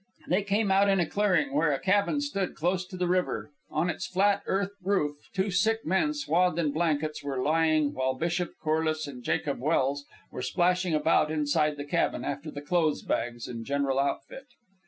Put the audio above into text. They came out in a clearing, where a cabin stood close to the river. On its flat earth roof two sick men, swathed in blankets, were lying, while Bishop, Corliss, and Jacob Welse were splashing about inside the cabin after the clothes bags and general outfit.